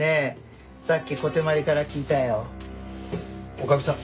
女将さん